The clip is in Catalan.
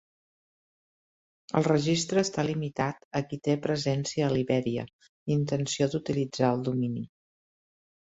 El registre està limitat a qui té presència a Libèria, i intenció d'utilitzar el domini.